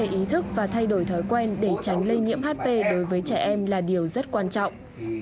ý thức và thay đổi thói quen để tránh lây nhiễm hp đối với trẻ em là điều rất quan trọng